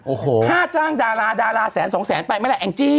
โอ้โหค่าจ้างดาราดาราแสนสองแสนไปไหมล่ะแองจี้